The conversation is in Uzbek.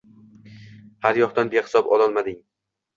Har yoqdan behisob olomonning